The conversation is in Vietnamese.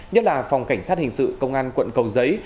nhất là phòng cảnh sát hình sự công an quận cầu giấy